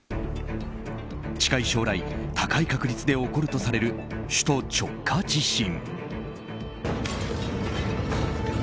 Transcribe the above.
近い将来、高い確率で起こるとされる首都直下地震。